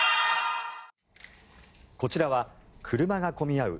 こちらは車が混み合う